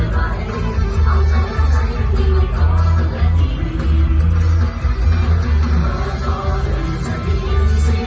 ไปกันกลับมายอมสมมติช่วยนะอย่างนี้แค่